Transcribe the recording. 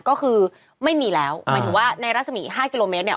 ก็คือไม่มีแล้วหมายถึงว่าในรัศมี๕กิโลเมตรเนี่ย